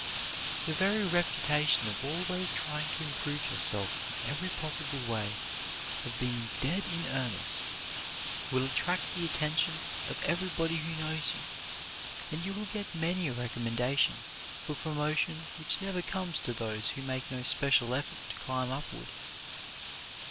The very reputation of always trying to improve yourself in every possible way, of being dead in earnest, will attract the attention of everybody who knows you, and you will get many a recommendation for promotion which never comes to those who make no special effort to climb upward.